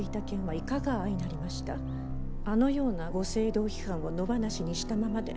あのようなご政道批判を野放しにしたままで。